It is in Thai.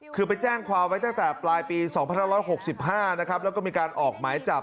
คือไปแจ้งความไว้ตั้งแต่ปลายปี๒๑๖๕นะครับแล้วก็มีการออกหมายจับ